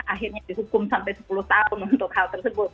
akhirnya dihukum sampai sepuluh tahun untuk hal tersebut